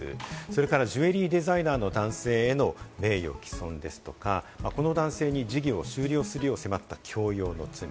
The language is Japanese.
それからジュエリーデザイナーの男性への名誉毀損ですとか、この男性に事業を終了するよう迫った強要の罪。